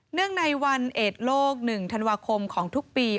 ในวันเอดโลก๑ธันวาคมของทุกปี